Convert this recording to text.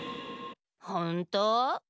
ほんと？